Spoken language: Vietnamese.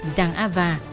giàng a và